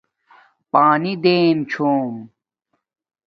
پانی دیم چھوم